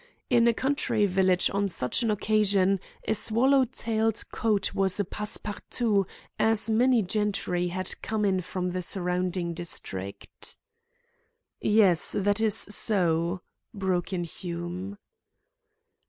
In a country village on such an occasion, a swallow tailed coat was a passe partout, as many gentry had come in from the surrounding district." "Yes, that is so," broke in Hume.